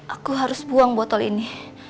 aku harus buang botol ini